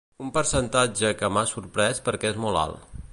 Un percentatge que m’ha sorprès perquè és molt alt.